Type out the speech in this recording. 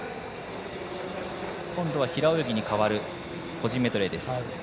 今度は平泳ぎに変わる個人メドレーです。